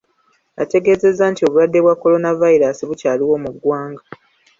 Ategeezeza nti obulwadde bwa Kolonavayiraasi bukyaliwo mu ggwanga.